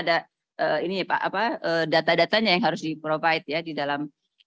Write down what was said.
dan kejadian di pasien tentunya ada data datanya yang harus di provide di dalam